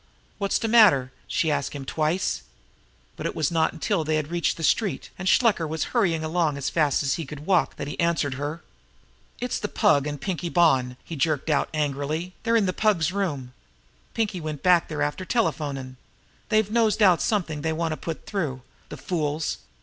"Wot's de matter?" she asked him twice. But it was not until they had reached the street, and Shluker was hurrying along as fast as he could walk, that he answered her. "It's the Pug and Pinkie Bonn!" he jerked out angrily. "They're in the Pug's room. Pinkie went back there after telephonin'. They've nosed out something they want to put through. The fools!